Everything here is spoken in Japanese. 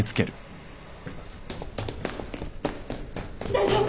大丈夫！？